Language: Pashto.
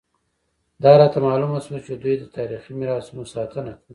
دا راته معلومه شوه چې دوی د تاریخي میراثونو ساتنه کوي.